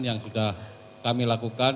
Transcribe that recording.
yang sudah kami lakukan